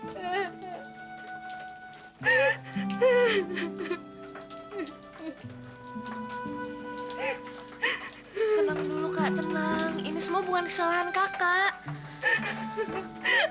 senang dulu kak tenang ini semua bukan kesalahan kakak